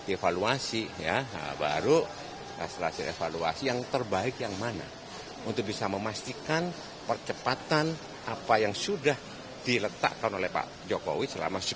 evaluasi ya baru hasil hasil evaluasi yang terbaik yang mana untuk bisa memastikan percepatan apa yang sudah diletakkan oleh pak jokowi selama